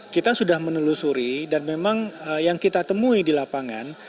kita sudah menelusuri dan memang yang kita temui di lapangan